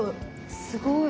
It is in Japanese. すごい。